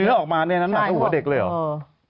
เอาเนื้อออกมาเลยนั้นหนักเท่าหัวเด็กเลยเหรอ